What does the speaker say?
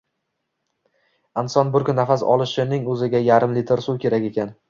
Inson bir kun nafas olishining o‘ziga yarim litr suv kerak ekan